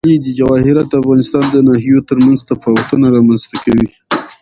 جواهرات د افغانستان د ناحیو ترمنځ تفاوتونه رامنځ ته کوي.